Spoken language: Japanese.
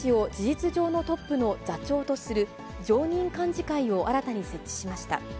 安倍派は、塩谷氏を事実上のトップの座長とする、常任幹事会を新たに設置しました。